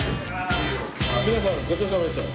皆さんごちそうさまでした。